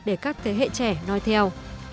để các thế hệ trẻ nói theo